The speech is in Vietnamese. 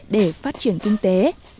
để phát triển kinh tế